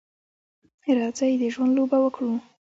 راځئ د ژوند لوبه وکړو.